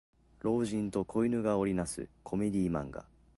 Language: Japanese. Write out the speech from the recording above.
老人と子犬が織りなすコメディ漫画